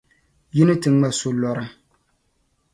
Yi ni ti ŋma solɔri.